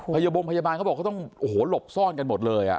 พยบมพยาบาลเขาบอกว่าเขาต้องหลบซ่อนกันหมดเลย